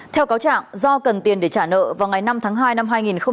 theo cáo trạng do cần tiền để trả nợ vào ngày năm tháng hai năm hai nghìn hai mươi